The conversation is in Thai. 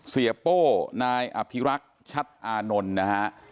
โป้นายอภิรักษ์ชัดอานนท์นะฮะ